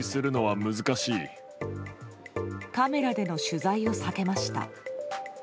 カメラでの取材を避けました。